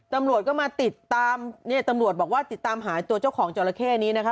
ตำรวจก็มาติดตามเนี่ยตำรวจบอกว่าติดตามหายตัวเจ้าของจราเข้นี้นะคะ